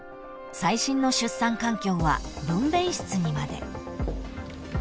［最新の出産環境は分娩室にまで］